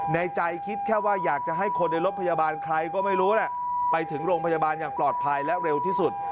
ในใจคิดแค่ว่าอยากจะให้คนในรถพยาบาลใครก็ไม่รู้แหละไปถึงโรงพยาบาลอย่างปลอดภัยและเร็วที่สุด